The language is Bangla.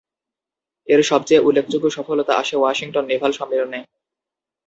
এর সবচেয়ে উল্লেখযোগ্য সফলতা আসে ওয়াশিংটন নেভাল সম্মেলনে